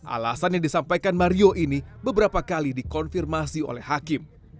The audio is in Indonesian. alasan yang disampaikan mario ini beberapa kali dikonfirmasi oleh hakim